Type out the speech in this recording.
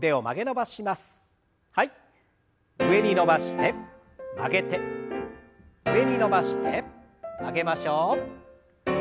上に伸ばして曲げて上に伸ばして曲げましょう。